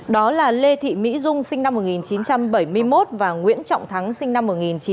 đó là lê thị mỹ dung sinh năm một nghìn chín trăm bảy mươi một và nguyễn trọng thắng sinh năm một nghìn chín trăm bảy mươi